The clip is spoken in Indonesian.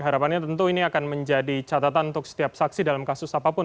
harapannya tentu ini akan menjadi catatan untuk setiap saksi dalam kasus apapun